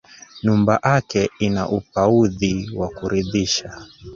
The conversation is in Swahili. Numba ake ina upanudhi wa kuridhisha.